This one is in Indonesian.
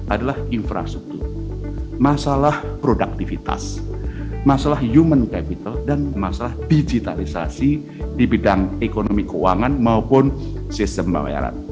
adalah infrastruktur masalah produktivitas masalah human capital dan masalah digitalisasi di bidang ekonomi keuangan maupun sistem pembayaran